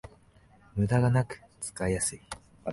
ムダがなく使いやすい